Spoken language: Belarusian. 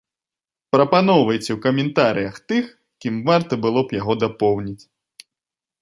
Прапаноўвайце ў каментарыях тых, кім варта было б яго дапоўніць.